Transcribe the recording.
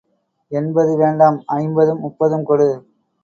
எண்பது வேண்டாம் ஐம்பதும் முப்பதும் கொடு.